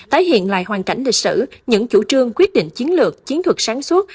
tái hiện lại hoàn cảnh lịch sử những chủ trương quyết định chiến lược chiến thuật sáng suốt